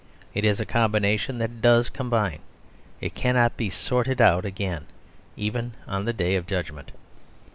It is a combination that does combine. It cannot be sorted out again, even on the Day of Judgment.